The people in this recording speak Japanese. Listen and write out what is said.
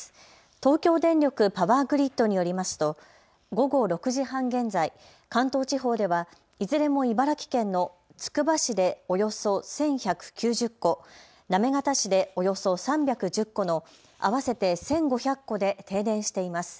東京電力パワーグリッドによりますと午後６時半現在、関東地方ではいずれも茨城県のつくば市でおよそ１１９０戸、行方市でおよそ３１０戸の合わせて１５００戸で停電しています。